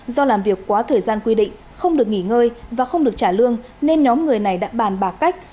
do làm việc quá thời gian quy định không được nghỉ ngơi và không được trả lương nên nhóm người này đã bàn bạc cách